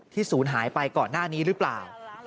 ศูนย์หายไปก่อนหน้านี้หรือเปล่า